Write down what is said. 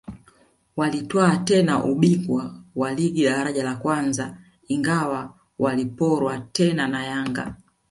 Walitwaa tena ubingwa wa ligi daraja la kwanza ingawa waliporwa tena na Yanga